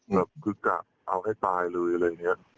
แบบคือกะเอาให้ตายเลยอะไรอย่างนี้